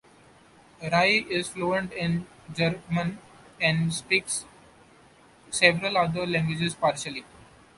Rae is fluent in German and speaks several other languages partially.